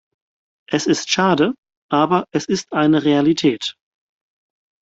Es ist schade, aber es ist eine Realität.